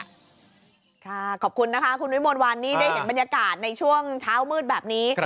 ขอบคุณนะคะคุณวิมวลวันนี่ได้เห็นบรรยากาศในช่วงเช้ามืดแบบนี้